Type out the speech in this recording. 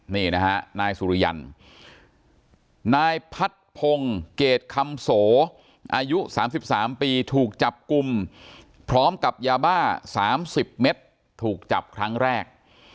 นี่นะฮะนายสุริยันนายพัดพงศ์เกรดคำโสอายุ๓๓ปีถูกจับกลุ่มพร้อมกับยาบ้า๓๐เมตรถูกจับครั้งแรก